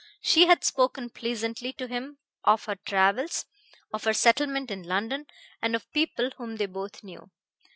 She had spoken pleasantly to him of her travels, of her settlement in London and of people whom they both knew.